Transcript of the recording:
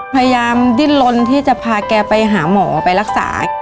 ดิ้นลนที่จะพาแกไปหาหมอไปรักษา